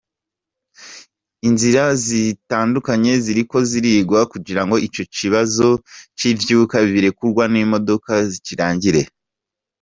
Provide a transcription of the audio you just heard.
Inzira zitandukanye ziriko zirigwa kugira ngo ico kibazo c'ivyuka birekugwa n'imodoka kirangire.